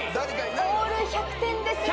オール１００点ですが。